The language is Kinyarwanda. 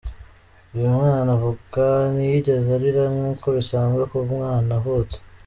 Uyu mwana avuka ntiyigeze arira nk’uko bisanzwe ku mwana uvutse.